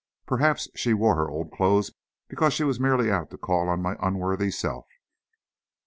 "Perhaps she wore her old clothes because she was merely out to call on my unworthy self."